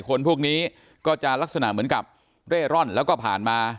คนพวกนี้ก็จะลักษณะเหมือนกับเร่ร่อนแล้วก็ผ่านมา